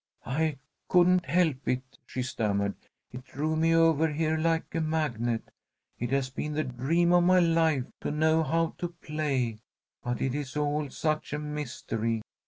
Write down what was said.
"I couldn't help it!" she stammered. "It drew me over here like a magnet. It has been the dream of my life to know how to play, but it is all such a mystery.